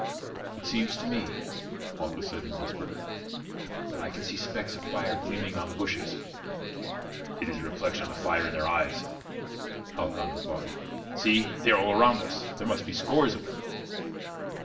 "It seems to me," Malchus said in a whisper, "that I can see specks of fire gleaming on the bushes." "It is the reflection of the fire in their eyes," Halcon replied. "See! they are all round us! There must be scores of them."